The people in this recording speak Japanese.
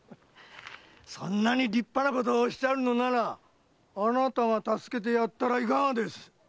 そんなに立派なことをおっしゃるのならあなたが助けてやったらいかがです？